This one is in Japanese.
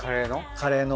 カレーの。